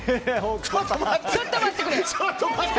ちょっと待って。